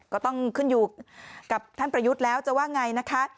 ก็ต้องขึ้นอยู่กับท่านประยุทธ์แล้วจะว่าไงนะคะ